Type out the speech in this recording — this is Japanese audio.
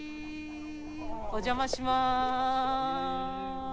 お邪魔します。